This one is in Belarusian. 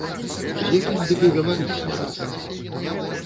З якім дык і гаварыць не дасца.